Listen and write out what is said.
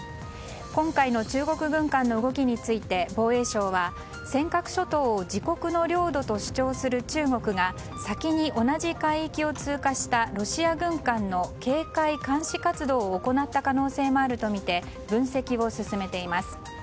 今回の中国軍艦の動きについて防衛省は尖閣諸島を自国の領土と主張する中国が先に同じ海域を通過したロシア軍艦の警戒監視活動を行った可能性もあるとみて分析を進めています。